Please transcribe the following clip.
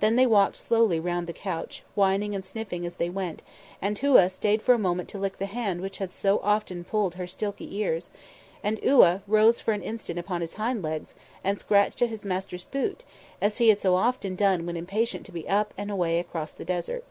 Then they walked slowly round the couch, whining and sniffing as they went, and Touaa stayed a moment to lick the hand which had so often pulled her silky ears, and Iouaa rose for an instant upon his hind legs, and scratched at his master's boot, as he had so often done when impatient to be up and away across the desert.